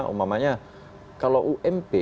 umumnya kalau ump